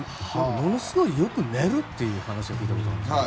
ものすごくよく寝るという話聞いたことありますが。